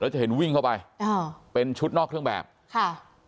จะเห็นวิ่งเข้าไปอ่าเป็นชุดนอกเครื่องแบบค่ะ